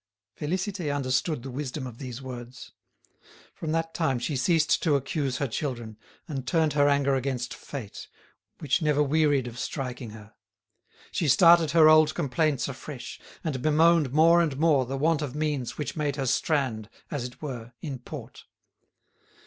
Félicité understood the wisdom of these words. From that time she ceased to accuse her children, and turned her anger against fate, which never wearied of striking her. She started her old complaints afresh, and bemoaned more and more the want of means which made her strand, as it were, in port.